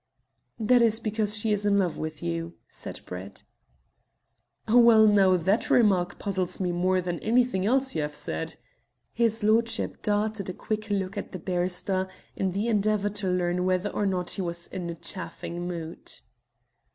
"That is because she is in love with you," said Brett. "Well, now, that remark puzzles me more than anything else you have said." His lordship darted a quick look at the barrister in the endeavour to learn whether or not he was in a chaffing mood.